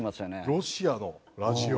ロシアのラジオ？